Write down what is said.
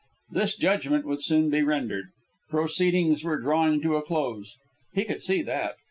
This judgment would soon be rendered. Proceedings were drawing to a close. He could see that.